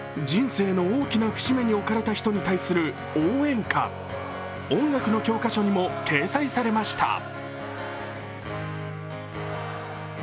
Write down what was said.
人生の大きな節目に置かれた人に対する応援歌、音楽の教科書にも掲載されました。